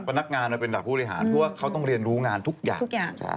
เพราะว่าเขาต้องเรียนรู้งานทุกอย่าง